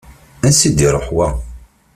Ansi i d-iruḥ wa?